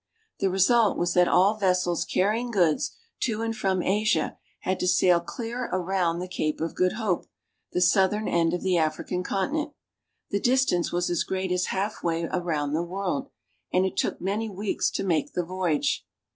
The result was that all vessels carrying goods to and from Asia had to sail clear around the Cape of Good Hope, — the southern end of the African continent. The distance was as great as halfway around the world, and it took many weeks to make the voyage.